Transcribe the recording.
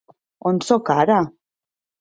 On soc ara?